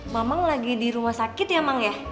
mamang lagi di rumah sakit ya emang ya